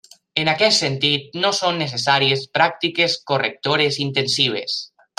En aquest sentit, no són necessàries pràctiques correctores intensives.